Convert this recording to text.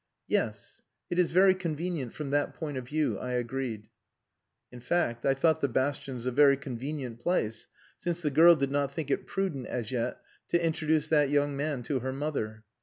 "Yes. It is very convenient from that point of view," I agreed. In fact, I thought the Bastions a very convenient place, since the girl did not think it prudent as yet to introduce that young man to her mother.